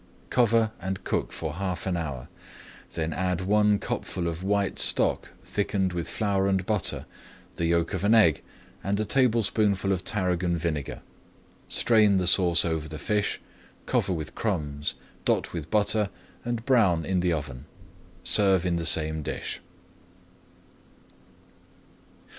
Cover and cook for half an hour, then add one cupful of white stock thickened with flour and butter, the yolk of an egg, and a tablespoonful of tarragon vinegar. Strain the sauce over the fish, cover with crumbs, dot with butter, and brown in the oven. Serve in the same dish.